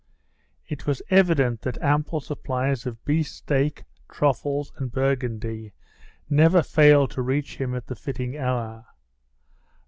It was evident that ample supplies of beefsteak, truffles, and Burgundy never failed to reach him at the fitting hour.